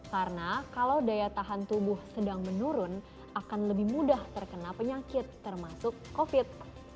karena kalau daya tahan tubuh sedang menurun akan lebih mudah terkena penyakit termasuk covid